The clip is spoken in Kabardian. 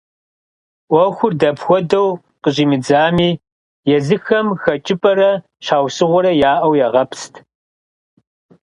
Ӏуэхур дапхуэдэу къыщӏимыдзами, езыхэм хэкӏыпӏэрэ щхьэусыгъуэрэ яӏэу ягъэпст.